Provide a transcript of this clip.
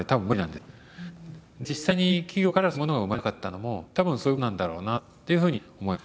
で実際に企業からそういうものが生まれなかったのもたぶんそういうことなんだろうなっていうふうに思います。